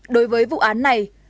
đối với vụ án này